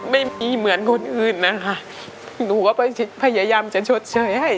ไม่มีเหมือนคนอื่นนะคะหนูก็พยายามจะชดเชยให้